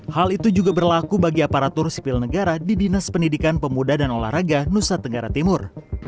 hal itu juga berlaku bagi aparatur sipil negara di dinas pendidikan pemuda dan olahraga nusa tenggara timur